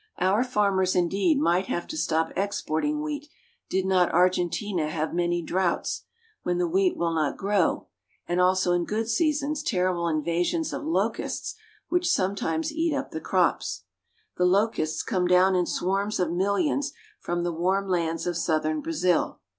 Our farmers, indeed, might have to stop exporting wheat did not Argentina have many droughts, when the wheat will not grow, and also in good seasons terrible in vasions of locusts which sometimes eat up the crops. Locusts and Their Eggs. The locusts come down in swarms of millions from the warm lands of southern Brazil.